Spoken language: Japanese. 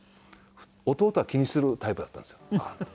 弟は気にするタイプだったんですよ。